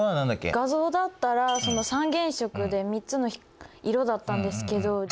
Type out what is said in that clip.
画像だったら三原色で３つの色だったんですけど。